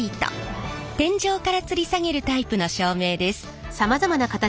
天井からつり下げるタイプの照明です。